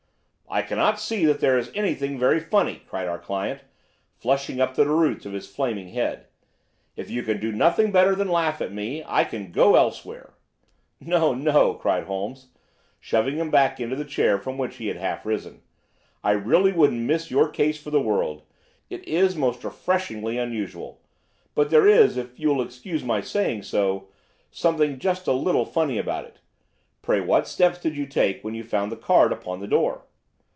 "I cannot see that there is anything very funny," cried our client, flushing up to the roots of his flaming head. "If you can do nothing better than laugh at me, I can go elsewhere." "No, no," cried Holmes, shoving him back into the chair from which he had half risen. "I really wouldn't miss your case for the world. It is most refreshingly unusual. But there is, if you will excuse my saying so, something just a little funny about it. Pray what steps did you take when you found the card upon the door?"